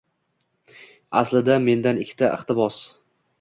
Aslida, mendan ikkita iqtibos: